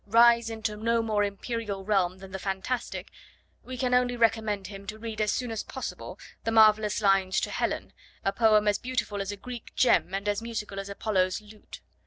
.. rise into no more empyreal realm than the fantastic,' we can only recommend him to read as soon as possible the marvellous lines To Helen, a poem as beautiful as a Greek gem and as musical as Apollo's lute.